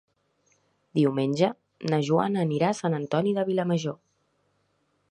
Diumenge na Joana anirà a Sant Antoni de Vilamajor.